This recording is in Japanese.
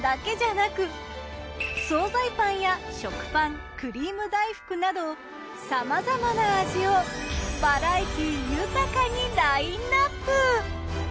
惣菜パンや食パンくりーむ大福などさまざまな味をバラエティー豊かにラインナップ！